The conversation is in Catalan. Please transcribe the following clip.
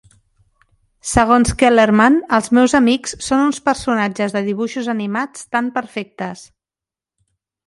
Segons Kellerman, "Els meus amics són uns personatges de dibuixos animats tan perfectes.